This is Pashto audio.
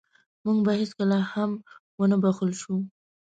موږ به هېڅکله هم ونه بښل شو.